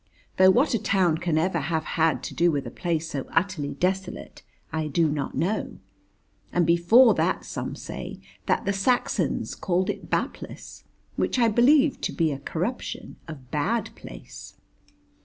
Though what a town can ever have had to do with a place so utterly desolate I do not know. And before that some say that the Saxons called it Baplas, which I believe to be a corruption of Bad Place.